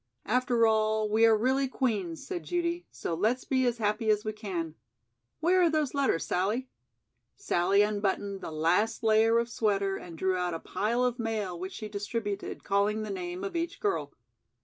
"After all, we are really 'Queen's'" said Judy, "so let's be as happy as we can. Where are those letters, Sallie?" Sallie unbuttoned the last layer of sweater and drew out a pile of mail which she distributed, calling the name of each girl.